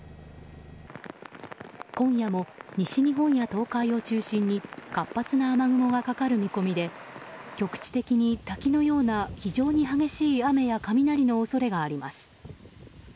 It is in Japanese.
今夜も西日本や東海を中心に活発な雨雲がかかる見込みで局地的に滝のような非常に激しい雨や雷の恐れがあります。